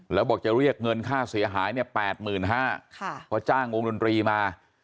แล้วบอกจะเรียกเงินค่าเสียหายเนี่ย๘๕๐๐บาทเพราะจ้างวงดนตรีมา